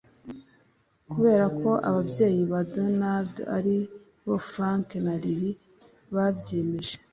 Kubera ko ababyeyi ba Donald ari bo Frank na Lily babyemeje